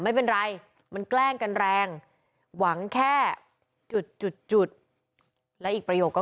ไม่เป็นไรมันแกล้งกันแรงหวังแค่จุดจุดและอีกประโยคก็